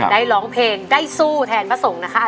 ร้องเพลงได้สู้แทนพระสงฆ์นะคะ